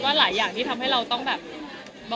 แต่หลายคนก็เห็นด้วยกับไม่เห็นด้วย